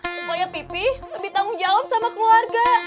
semuanya pipih lebih tanggung jawab sama keluarga